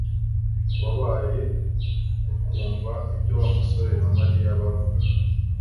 Wabaye ukumva ibyo Wa musore na Mariya bavugaga